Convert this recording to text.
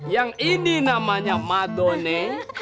yang ini namanya madone